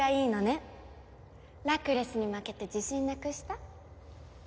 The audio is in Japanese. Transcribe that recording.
ラクレスに負けて自信なくした？